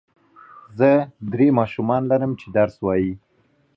زه درې ماشومان لرم چې درس وايي.